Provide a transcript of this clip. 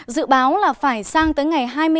dự báo là phải sang tới ngày hôm nay